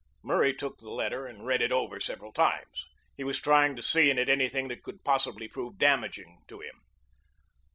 Murray took the letter and read it over several times. He was trying to see in it anything which could possibly prove damaging to him.